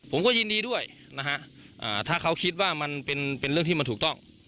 ผมก็ยินดีด้วยนะฮะถ้าเขาคิดว่ามันเป็นเรื่องที่มันถูกต้อง